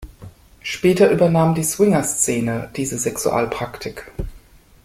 Später übernahm die Swinger-Szene diese Sexualpraktik.